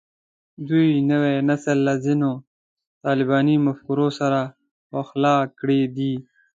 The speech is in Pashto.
دوی نوی نسل له ځینو طالباني مفکورو سره پخلا کړی دی